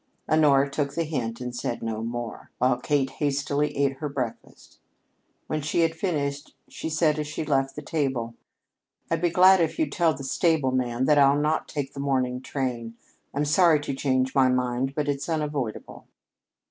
Honora took the hint and said no more, while Kate hastily ate her breakfast. When she had finished she said as she left the table: "I'd be glad if you'll tell the stable man that I'll not take the morning train. I'm sorry to change my mind, but it's unavoidable."